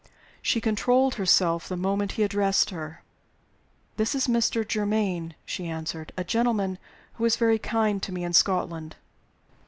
She controlled herself the moment he addressed her. "This is Mr. Germaine," she answered: "a gentleman who was very kind to me in Scotland."